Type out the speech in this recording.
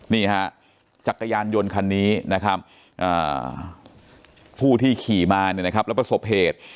นี่ฮะจักรยานยนต์คันนี้นะครับผู้ที่ขี่มาเนี่ยนะครับแล้วประสบเหตุ